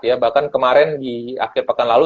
ya bahkan kemarin di akhir pekan lalu